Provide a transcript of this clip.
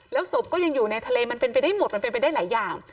แล้วศพก็ยังอยู่ในทะเลมันเป็นไปได้หมดมันเป็นไปได้หลายอย่าง